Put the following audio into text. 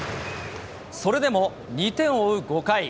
それでも２点を追う５回。